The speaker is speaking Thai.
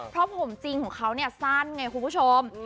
เพราะผมจริงของเขาเนี่ยสั้นไงคุณผู้ชม